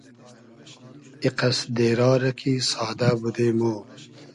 ای قئس دېرا رۂ کی سادۂ بودې مۉ